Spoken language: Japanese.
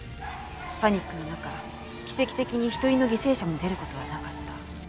パニックの中奇跡的に一人の犠牲者も出る事はなかった。